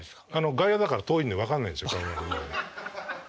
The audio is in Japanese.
外野だから遠いんで分かんないんですよ。